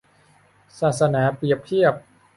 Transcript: ศาสนาเปรียบเทียบ